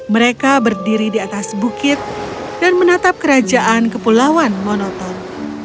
mereka berdiri di atas bukit dan menatap kerajaan kepulauan monoton